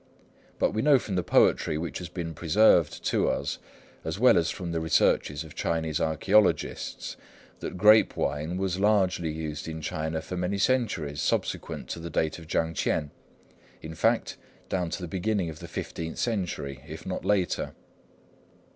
But we know from the poetry which has been preserved to us, as well as from the researches of Chinese archæologists, that grape wine was largely used in China for many centuries subsequent to the date of Chang Ch'ien; in fact, down to the beginning of the fifteenth century, if not later.